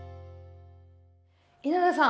稲田さん